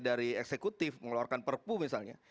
dari eksekutif mengeluarkan perpu misalnya